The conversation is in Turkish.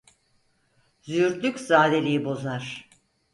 Züğürtlük, zadeliği bozar.